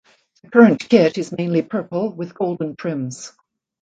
The current kit is mainly purple with golden trims.